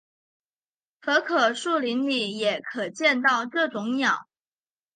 可可树林里也可见到这种鸟。